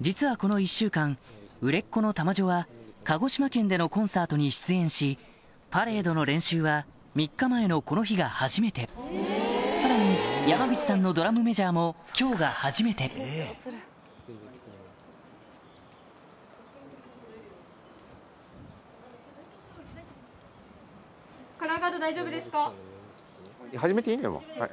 実はこの１週間売れっ子の玉女は鹿児島県でのコンサートに出演しパレードの練習は３日前のこの日が初めてさらに山口さんのドラムメジャーも今日が初めてはい。